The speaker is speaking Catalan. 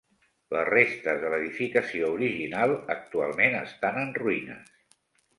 Les restes de l’edificació original actualment estan en ruïnes.